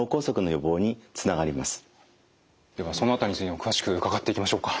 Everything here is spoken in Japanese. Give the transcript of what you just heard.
ではその辺りについても詳しく伺っていきましょうか。